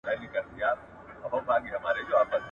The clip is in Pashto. هغه څوک چې له نیوکو ډارېږي هېڅکله پرمختګ نسی کولی.